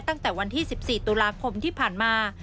ตั้งแต่วันที่๑๔ตุลาคมที่ผ่านมา